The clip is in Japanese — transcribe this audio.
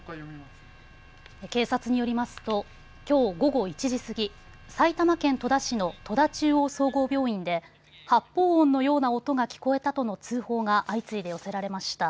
警察によりますときょう午後１時過ぎ埼玉県戸田市の戸田中央総合病院で発砲音のような音が聞こえたとの通報が相次いで寄せられました。